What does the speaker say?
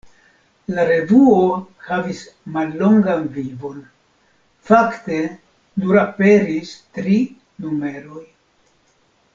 La revuo havis mallongan vivon: fakte nur aperis tri numeroj.